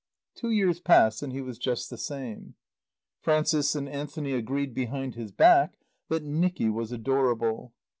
Two years passed and he was just the same. Frances and Anthony agreed behind his back that Nicky was adorable.